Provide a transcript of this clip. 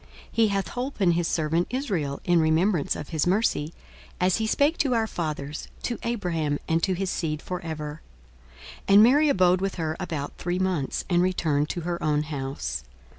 42:001:054 He hath holpen his servant Israel, in remembrance of his mercy; 42:001:055 As he spake to our fathers, to Abraham, and to his seed for ever. 42:001:056 And Mary abode with her about three months, and returned to her own house.